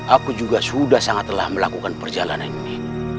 aku juga sudah sangat lelah melakukan perjalanan ini